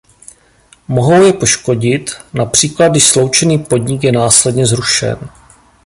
Mohou je poškodit, například když sloučený podnik je následně zrušen.